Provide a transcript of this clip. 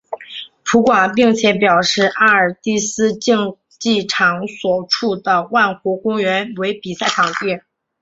葡广并且表示阿尔蒂斯竞技场所处的万国公园为比赛场地。